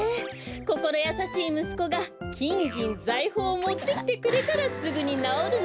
こころやさしいむすこがきんぎんざいほうをもってきてくれたらすぐになおるんだけど。